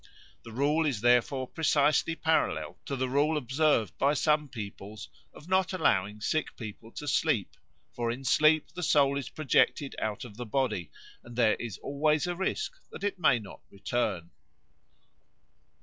The rule is therefore precisely parallel to the rule observed by some peoples of not allowing sick people to sleep; for in sleep the soul is projected out of the body, and there is always a risk that it may not return.